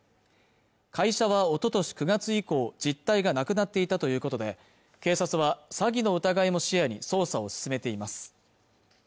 会社はおととし９月以降実体がなくなっていたということで警察は詐欺の疑いも視野に捜査を進めています